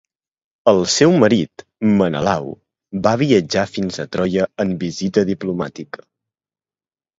El seu marit, Menelau, va viatjar fins a Troia en visita diplomàtica.